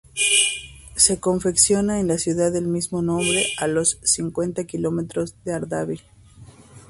Se confecciona en la ciudad del mismo nombre, a unos cincuenta kilómetros de Ardabil.